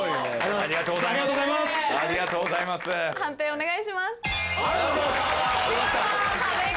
ありがとうございますよかった。